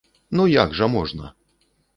Ну, як жа можна!